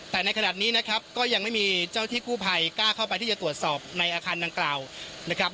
แต่ในขณะนี้นะครับก็ยังไม่มีเจ้าที่กู้ภัยกล้าเข้าไปที่จะตรวจสอบในอาคารดังกล่าวนะครับ